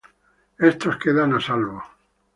Estos quedan a salvo.